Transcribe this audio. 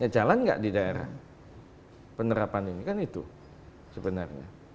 jalan nggak di daerah penerapan ini kan itu sebenarnya